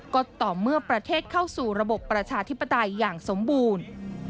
ก็ต่อเมื่อประเทศเข้าสู่ระบบประชาธิปไตยอย่างสมบูรณ์